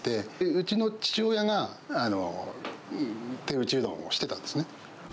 うちの父親が手打ちうどんをしてたんですね。